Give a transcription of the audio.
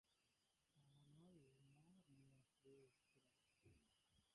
ஆனால், உமார், நீ அப்படியே இருக்கிறாய்.